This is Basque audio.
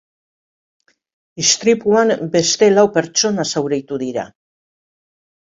Istripuan beste lau pertsona zauritu dira.